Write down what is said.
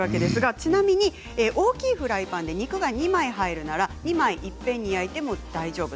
ちなみに大きいフライパンで肉が２枚入るなら２枚いっぺんに焼いても大丈夫。